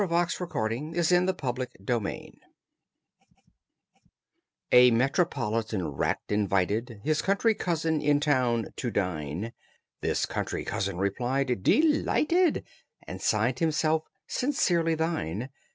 THE URBAN RAT AND THE SUBURBAN RAT A metropolitan rat invited His country cousin in town to dine: The country cousin replied, "Delighted." And signed himself, "Sincerely thine."